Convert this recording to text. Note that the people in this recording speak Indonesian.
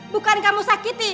bukan kamu sakiti